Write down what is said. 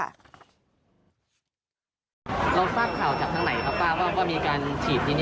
เราฝากข่าวจากทางไหนครับป้าว่ามีการฉีดที่นี่หรือ